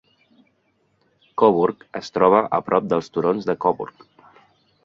Coburg es troba a prop dels turons de Coburg.